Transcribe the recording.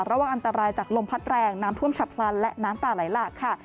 ระวังอันตรายจากลมพัดแรงน้ำท่วมฉับพลันและน้ำป่าไหลหลากค่ะ